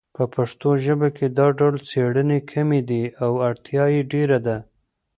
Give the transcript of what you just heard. په پښتو ژبه کې دا ډول څیړنې کمې دي او اړتیا یې ډېره ده